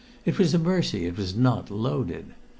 It was a mercy it was not loaded.